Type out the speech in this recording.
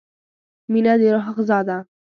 • مینه د روح غذا ده.